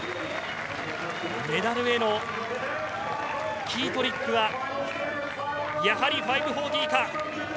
メダルへのキートリックはやはり５４０か。